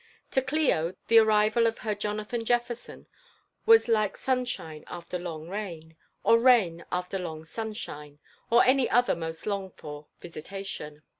To Clio the airival of her Jonatiian lefiersofi was like sunshine after loi^ rain, or rata after long sunshine, or any other most longed for visitation.